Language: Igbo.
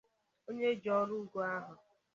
Onye ji ọrụ ngo ahụ